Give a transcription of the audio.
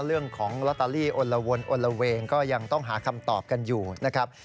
เรื่องของลอตเตอรี่อนละวนอนละเวงก็ยังต้องหาคำตอบกันอยู่นะครับ